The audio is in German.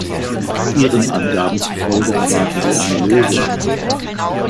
Ihren Angaben zufolge erwarten Sie eine Lösung.